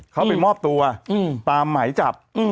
เขาไปมอบตัวตามหมายจับ